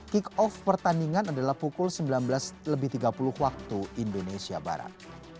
kick off pertandingan adalah pukul sembilan belas lebih tiga puluh waktu indonesia barat